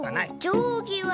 じょうぎは？